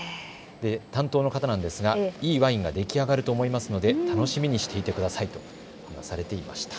担当の方なんですがいいワインが出来上がると思いますので楽しみにしてくださいと話されていました。